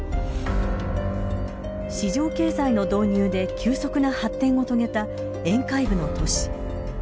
市場経済の導入で急速な発展を遂げた沿海部の都市。